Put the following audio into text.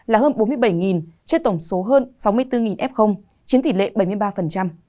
là hơn bốn mươi bảy trên tổng số hơn sáu mươi bốn f chiến tỉ lệ bảy mươi ba